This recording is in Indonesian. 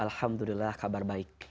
alhamdulillah kabar baik